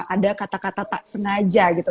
ada kata kata tak sengaja gitu